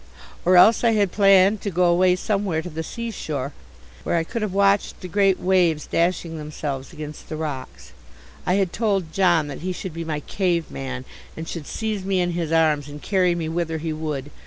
Or else I had planned to go away somewhere to the seashore, where I could have watched the great waves dashing themselves against the rocks. I had told John that he should be my cave man, and should seize me in his arms and carry me whither he would.